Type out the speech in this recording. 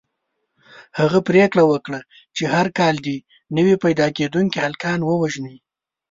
هغه پرېکړه وکړه چې هر کال دې نوي پیدا کېدونکي هلکان ووژني.